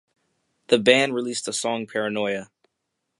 The band released the song Paranoia!